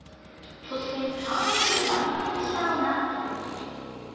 そして、３位にランクインしたのが。